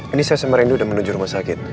ini saya sama rendy udah menuju rumah sakit